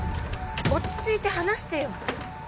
落ち着いて話してよ